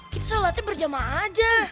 kita sholatnya berjamaah aja